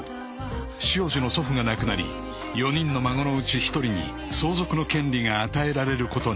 ［汐路の祖父が亡くなり４人の孫のうち１人に相続の権利が与えられることに］